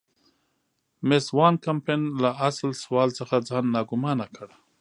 مېس وان کمپن له اصل سوال څخه ځان ناګومانه کړ.